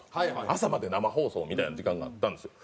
朝まで生放送みたいな時間があったんですよ。